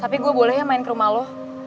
tapi gue boleh ya main ke rumah lo